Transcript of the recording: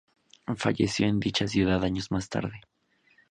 Falleció en dicha ciudad años más tarde.